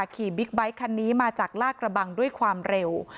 บิ๊กไบท์คันนี้มาจากลากระบังด้วยความเร็ว